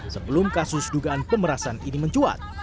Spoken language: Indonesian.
sebelum kasus dugaan pemerasan ini mencuat